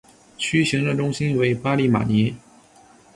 区行政中心为巴利马尼。